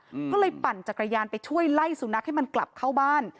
อืมก็เลยปั่นจักรยานไปช่วยไล่สุนัขให้มันกลับเข้าบ้าน